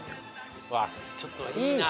うわっちょっといいな。